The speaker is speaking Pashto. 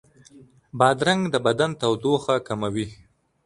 بادرنګ د بدن تودوخه کموي.